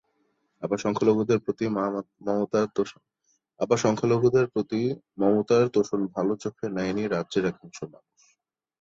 আবার সংখ্যালঘুদের প্রতি মমতার তোষণ ভালো চোখে নেয়নি রাজ্যের একাংশ মানুষ।